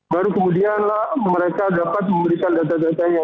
baru kemudian mereka dapat memberikan data datanya